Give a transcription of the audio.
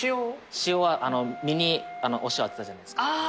塩は身にお塩当てたじゃないですか